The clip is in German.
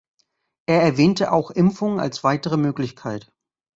Er erwähnte auch Impfungen als weitere Möglichkeit.